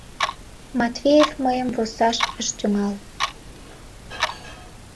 Матвеев мыйым вурсаш ыш тӱҥал.